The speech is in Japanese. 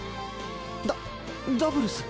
だダブルス？